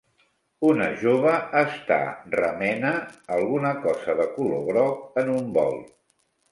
Una jove està remena alguna cosa de color groc en un bol.